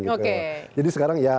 oke jadi sekarang ya